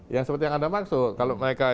ya seperti yang anda maksud kalau mereka